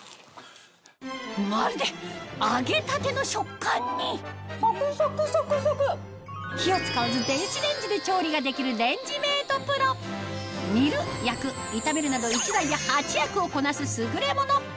まるで揚げたての食感にサクサクサクサク！ができるレンジメートＰＲＯ煮る焼く炒めるなど１台で８役をこなす優れもの